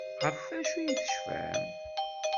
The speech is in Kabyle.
Ɣef wacu ay tecfam?